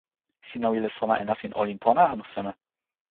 sina wile sona e nasin olin pona, anu seme?